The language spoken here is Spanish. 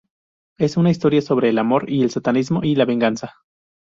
Es una historia sobre el amor, el satanismo y la venganza.